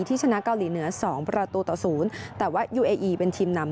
ที่ชนะเกาหลีเหนือ๒ประตูต่อ๐